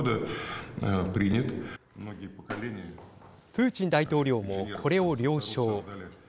プーチン大統領もこれを了承。